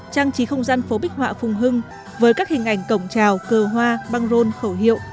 trang trí không gian phố bích họa phùng hưng với các hình ảnh cổng trào cờ hoa băng rôn khẩu hiệu